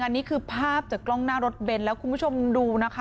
อันนี้คือภาพจากกล้องหน้ารถเบนท์แล้วคุณผู้ชมดูนะคะ